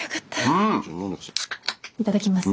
いただきます。